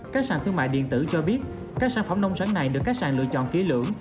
các sàn thương mại điện tử cho biết các sản phẩm nông sản này được các sàn lựa chọn kỹ lưỡng